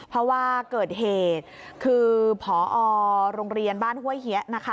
เพราะว่าเกิดเหตุคือพอโรงเรียนบ้านห้วยเฮียนะคะ